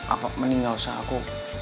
apapun nih gak usah aku